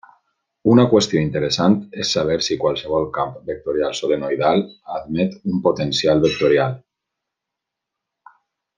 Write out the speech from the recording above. Una qüestió interessant és saber si qualsevol camp vectorial solenoidal admet un potencial vectorial.